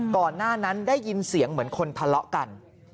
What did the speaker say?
ก่อนหน้านั้นได้ยินเสียงเหมือนคนทะเลาะกัน